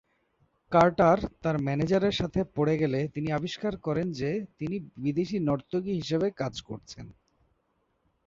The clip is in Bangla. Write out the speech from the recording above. কার্টার তার ম্যানেজারের সাথে পড়ে গেলে তিনি আবিষ্কার করেন যে তিনি বিদেশী নর্তকী হিসেবে কাজ করছেন।